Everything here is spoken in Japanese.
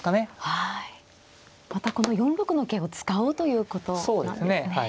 またこの４六の桂を使おうということなんですね。